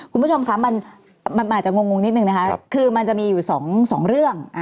คุณผู้ชมคะมันอาจจะงงนิดนึงนะคะคือมันจะมีอยู่สองเรื่อง